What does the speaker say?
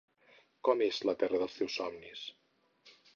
Com és la terra dels teus somnis?